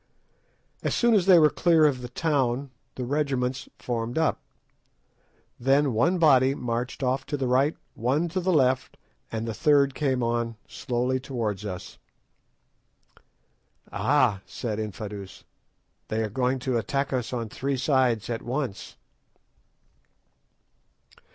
As soon as they were clear of the town the regiments formed up. Then one body marched off to the right, one to the left, and the third came on slowly towards us. "Ah," said Infadoos, "they are going to attack us on three sides at once."